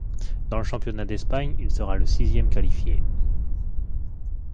Dans le Championnat d'Espagne il sera le sixième qualifié.